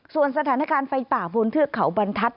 ส่วนสถานการณ์ไฟป่าบนเทือกเขาบรรทัศน